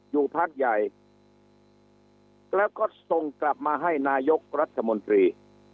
อยู่พักใหญ่แล้วก็ส่งกลับมาให้นายกรัฐมนตรี